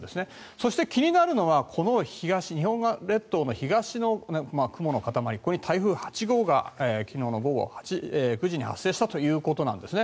そして、気になるのは日本列島の東の雲の塊これに台風８号が昨日の午後９時に発生したということなんですね。